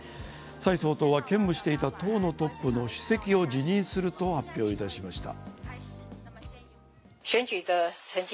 蔡総統は兼務していた党のトップの主席を辞任すると発表しました。